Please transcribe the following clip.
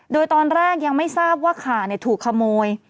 โดยตอนแรกยังไม่ทราบว่าขาถูกขโมย